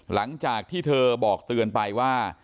หลังจากที่เธอบอกเตือนไปว่า